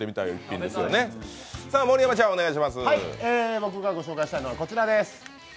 僕がご紹介したいのはこちらです。